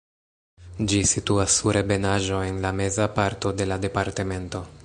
Ĝi situas sur ebenaĵo en la meza parto de la departemento.